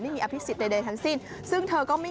ไม่มีอภิสิตใดทั้งสิ้น